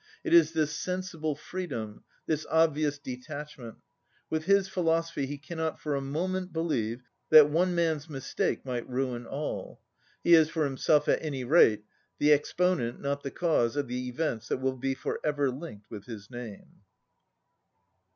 It is this sen sible freedom, this obvious detachment. With his ' philosophy he cannot for a moment believe that one man's mistake might ruin all. He is, for himself at any rate, the exponent, not the cause, of the events that will be for ever linked with his name.